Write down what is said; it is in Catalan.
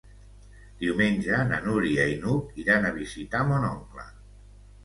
Diumenge na Núria i n'Hug iran a visitar mon oncle.